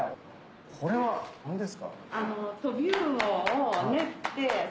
これは何ですか？